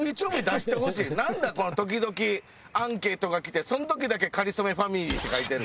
この時々アンケートが来てその時だけ「かりそめファミリー」って書いてる。